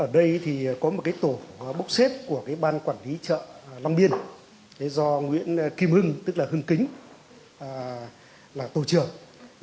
ở đây thì có một tổ bốc xếp của ban quản lý chợ long biên do nguyễn kim hưng tức là hưng kính là tổ trưởng